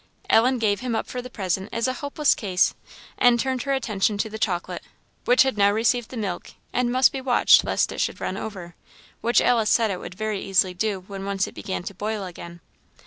Ellen gave him up for the present as a hopeless case, and turned her attention to the chocolate, which had now received the milk, and must be watched lest it should run over, which Alice said it would very easily do when once it began to boil again.